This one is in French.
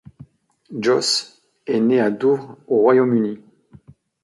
Joss est née à Douvres au Royaume-Uni.